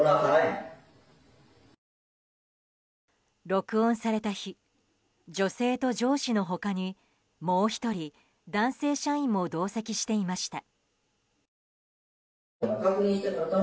録音された日女性と上司の他にもう１人男性社員も同席していました。